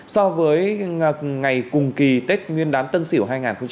so với ngày cùng kỳ tết nguyên đán tân sỉu hai nghìn hai mươi